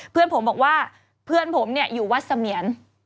เพื่อนผมบอกว่าเพื่อนผมเนี่ยอยู่วัดเสมียน